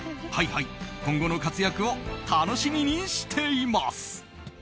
Ｈｉ‐Ｈｉ、今後の活躍を楽しみにしています！